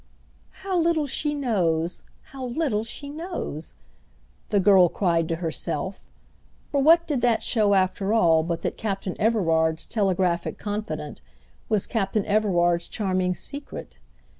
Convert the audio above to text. "How little she knows, how little she knows!" the girl cried to herself; for what did that show after all but that Captain Everard's telegraphic confidant was Captain Everard's charming secret?